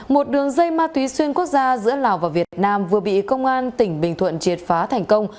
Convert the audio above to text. một đường dây ma túy xuyên quốc gia giữa lào và việt nam vừa bị công an tỉnh bình thuận triệt phá thành công